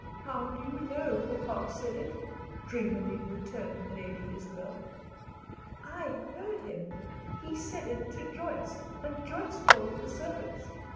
"How do you know papa said it?" dreamily returned Lady Isabel. "I heard him. He said it to Joyce, and Joyce told the servants.